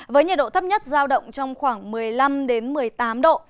với nhiệt độ thấp nhất giao động trong khoảng một mươi năm một mươi tám độ